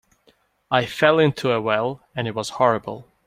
I fell into a well and it was horrible.